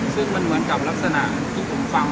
ซึ่งมันเหมือนกับลักษณะที่ผมฟัง